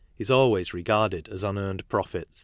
is always regarded as unearned profit.